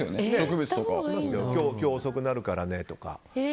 今日、遅くなるからねとか。